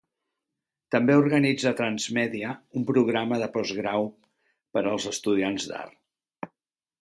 També organitza Transmedia, un programa de postgrau per als estudiants d'art.